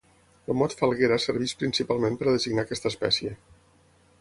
El mot falguera serveix principalment per a designar aquesta espècie.